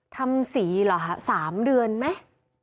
ทำสีเหรอคะ๓เดือนไหม